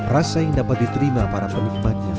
rasa yang dapat diterima para penikmatnya